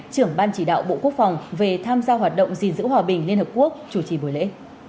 trưởng ban chỉ đạo bộ quốc phòng về tham gia hoạt động gìn giữ hòa bình liên hợp quốc chủ trì buổi lễ